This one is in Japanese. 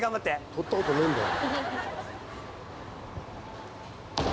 「取ったことねえんだよ」